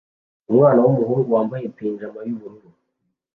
Umwana wumuhungu wambaye pajama yubururu